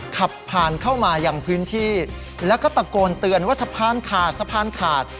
ขับผ่านเข้ามายังพื้นที่แล้วก็ตะโกนเตือนว่าสะพานขาดสะพานขาด